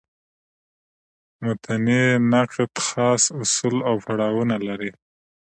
متني نقد خاص اصول او پړاوونه لري.